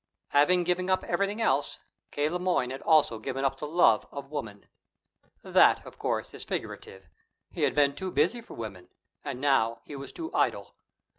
Having given up everything else, K. Le Moyne had also given up the love of woman. That, of course, is figurative. He had been too busy for women; and now he was too idle.